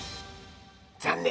残念。